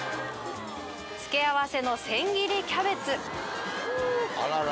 付け合わせの千切りキャベツ。